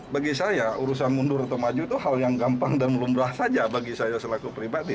bagi saya urusan mundur atau maju itu hal yang gampang dan lumrah saja bagi saya selaku pribadi